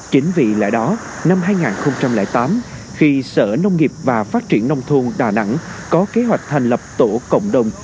chính vì lẽ đó năm hai nghìn tám khi sở nông nghiệp và phát triển nông thôn đà nẵng có kế hoạch thành lập tổ cộng đồng